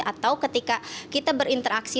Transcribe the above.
atau ketika kita berinteraksi